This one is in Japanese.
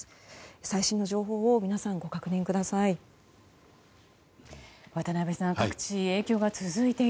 最新の情報を皆さん、ご確認ください。